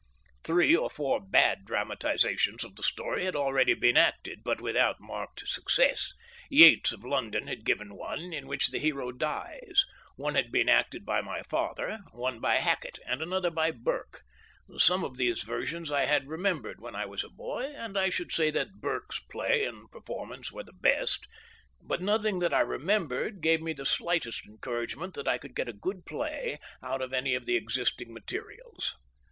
Three or four bad dramatisations of the story had already been acted, but without marked success, Yates of London had given one in which the hero dies, one had been acted by my father, one by Hackett, and another by Burke. Some of these versions I had remembered when I was a boy, and I should say that Burke's play and performance were the best, but nothing that I remembered gave me the slightest encouragement that I could get a good play out of any of the existing materials.